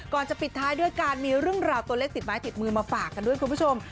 ก่อนจะปิดท้ายด้วยการมีเรื่องราวตัวเลขติดไม้ติดมือมาฝากกันด้วยคุณผู้ชม